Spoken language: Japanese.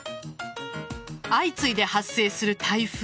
相次いで発生する台風。